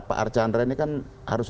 pak archandra ini kan harus